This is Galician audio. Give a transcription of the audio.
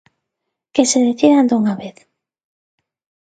Que se decidan dunha vez.